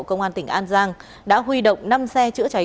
công an tỉnh an giang đã huy động năm xe chữa cháy